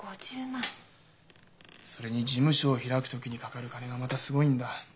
それに事務所を開く時にかかる金がまたすごいんだ。